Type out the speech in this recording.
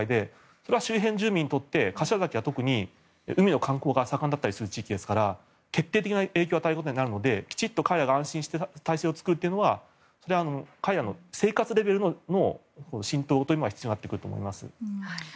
それは周辺住民にとって柏崎は特に海の観光が盛んだったりする地域ですから決定的な影響を与えることになるのできちんと彼らが安心した体制を作るというのは彼らの生活レベルの浸透が必要になってくると思います。